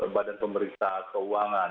badan pemeriksa keuangan